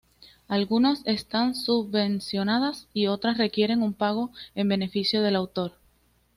Algunas están subvencionadas, y otras requieren un pago en beneficio del autor.